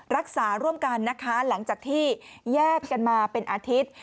รักษาร่วมกันนะคะหลังจากที่แยกกันมาเป็นอาทิตย์